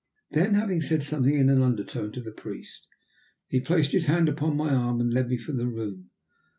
Then, having said something in an undertone to the priest, he placed his hand upon my arm and led me from the room.